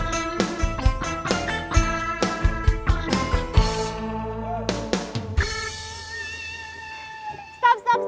assalamualaikum pak ansip